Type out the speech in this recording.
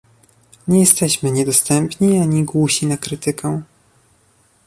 Nie jesteśmy niedostępni ani głusi na krytykę